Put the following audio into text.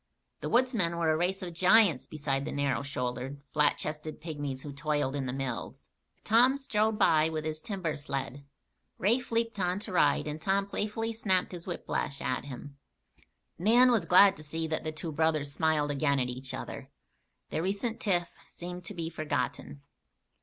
The woodsmen were a race of giants beside the narrow shouldered, flat chested pygmies who toiled in the mills. Tom strode by with his timber sled. Rafe leaped on to ride and Tom playfully snapped his whiplash at him. Nan was glad to see that the two brothers smiled again at each other. Their recent tiff seemed to be forgotten.